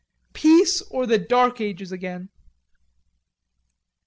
Peace or the dark ages again."